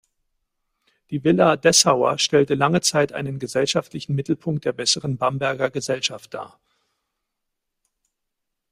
Die Villa Dessauer stellte lange Zeit einen gesellschaftlichen Mittelpunkt der „besseren“ Bamberger Gesellschaft dar.